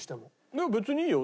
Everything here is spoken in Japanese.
いや別にいいよ